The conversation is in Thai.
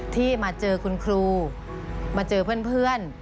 ที่มาเจอคุณครูมาเจอเพื่อน